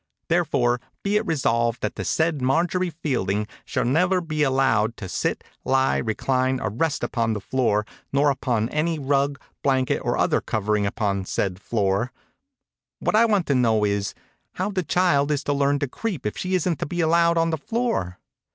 Therefore, be it resolved, that the said Marjorie Fielding shall never be allowed to sit, lie, recline, or rest upon the floor, nor upon any rug, blanket, or other covering upon the said floor.' What I want to know is, how the child is to learn to creep if she isn't to be allowed on the floor."